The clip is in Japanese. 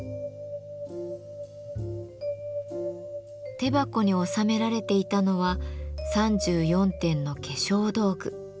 手箱に収められていたのは３４点の化粧道具。